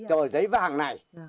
tờ giấy vàng này